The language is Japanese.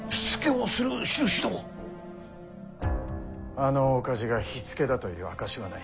あの大火事が火付けだという証しはない。